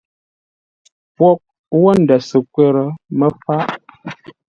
Pwoghʼ wó ndə̂ səkwə̂r mə́ fáʼ.